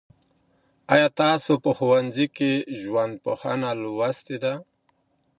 آیا تاسو په ښوونځي کي ژوندپوهنه لوستې ده؟